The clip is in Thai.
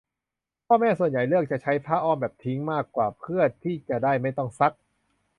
พ่อแม่ส่วนใหญ่เลือกที่จะใช้ผ้าอ้อมแบบทิ้งมากกว่าเพื่อที่จะได้ไม่ต้องซัก